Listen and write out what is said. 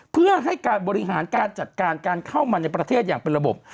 เพื่อให้การบริหารการจัดการการเข้ามาในประเทศอย่างเป็นระบบ